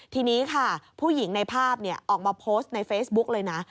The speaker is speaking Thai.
ทีนี้ค่ะผู้หญิงในภาพออกมาโพสต์ในเฟซบุ๊กเลยนะ